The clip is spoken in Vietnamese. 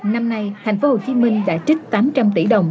năm nay tp hcm đã trích tám trăm linh tỷ đồng